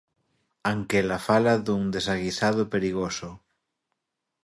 Anquela fala dun desaguisado perigoso.